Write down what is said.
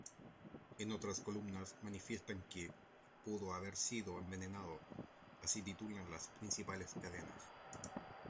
En otras columnas manifiestan que "Pudo haber sido envenenado", así titulan las principales cadenas.